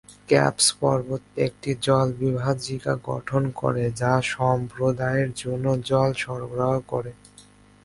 ক্যাপশ পর্বত একটি জলবিভাজিকা গঠন করে যা সম্প্রদায়ের জন্য জল সরবরাহ করে।